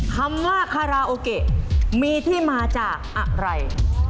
คำว่าคาราโอเกะมีที่มาจากอะไร